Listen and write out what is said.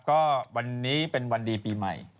อ๋อโว้ยพอดวันนี้เป็นวันดีปีใหม่